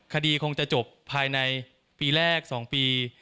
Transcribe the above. คดีคงจะจบภายในปีแรก๒ปี